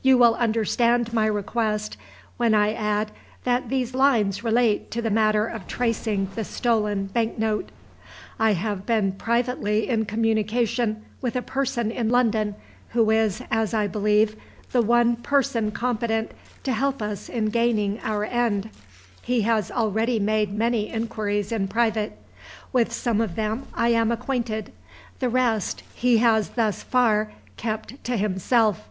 You will understand my request, when I add that these lines relate to the matter of tracing the stolen bank note. "I have been privately in communication with a person in London, who is, as I believe, the one person competent to help us in gaining our end. He has already made many inquiries in private. With some of them I am acquainted; the rest he has thus far kept to himself.